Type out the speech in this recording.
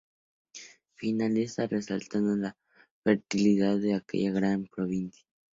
Finaliza resaltando la fertilidad de aquella gran provincia.